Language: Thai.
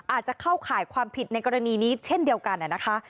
อาจจะเข้าข่ายความผิดในกรณีนี้เช่นเดียวกันนะคะ